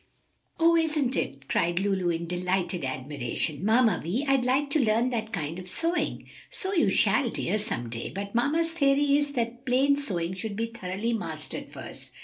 "Oh, isn't it!" cried Lulu, in delighted admiration. "Mamma Vi, I'd like to learn that kind of sewing." "So you shall, dear, some day; but mamma's theory is that plain sewing should be thoroughly mastered first.